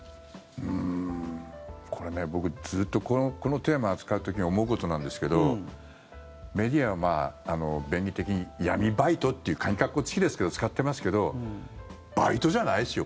これ、僕ずっとこのテーマを扱う時に思うことなんですけどメディアは便宜的に闇バイトっていうかぎ括弧付きですけど使ってますけどバイトじゃないですよ